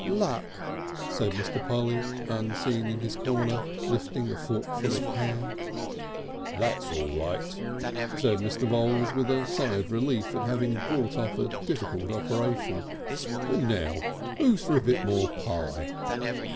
"Luck!" said Mr. Polly, unseen in his corner, lifting a forkful of ham. "That's all right," said Mr. Voules with a sigh of relief at having brought off a difficult operation. "And now, who's for a bit more pie?"